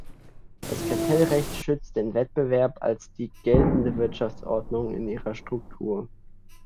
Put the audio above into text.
Das Kartellrecht schützt den Wettbewerb als die geltende Wirtschaftsordnung in ihrer Struktur.